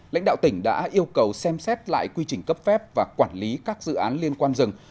lãnh đạo tỉnh đã yêu cầu xem xét lại quy trình cấp phép và quản lý các dự án liên quan rừng